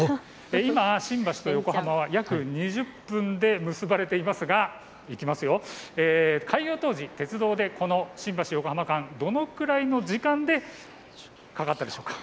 今、新橋と横浜は約２０分で結ばれていますが開業当時、鉄道でこの新橋−横浜間どのくらいの時間、かかったでしょうか。